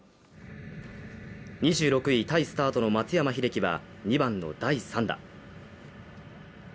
２６位タイスタートの松山英樹は、２番の第３打。